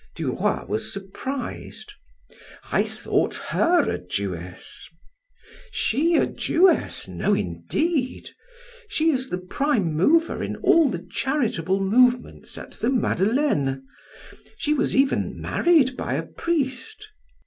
Du Roy was surprised: "I thought her a Jewess." "She a Jewess! No, indeed! She is the prime mover in all the charitable movements at the Madeleine. She was even married by a priest.